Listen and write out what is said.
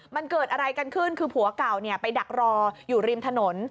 มันเกิดอะไรกันขึ้นคือผัวเก่าไปดักรออยู่ริมถนน